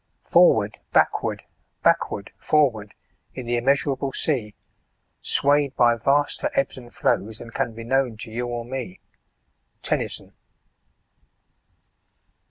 Forward, backward, backward, forward, in the immeasurable sea, Sway'd by vaster ebbs and flows than can be known to you or me." TENNYSON.